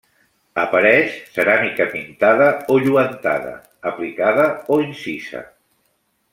Apareix ceràmica pintada o lluentada, aplicada o incisa.